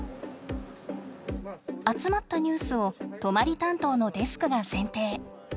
集まったニュースを泊まり担当のデスクが選定。